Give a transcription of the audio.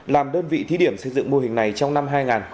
làm đơn vị thí điểm xây dựng mô hình này trong năm hai nghìn hai mươi